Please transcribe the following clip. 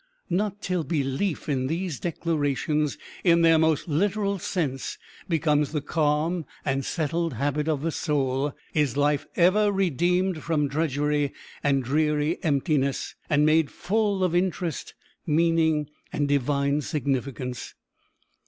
Not till belief in these declarations, in their most literal sense, becomes the calm and settled habit of the soul, is life ever redeemed from drudgery and dreary emptiness, and made full of interest, meaning, and divine significance.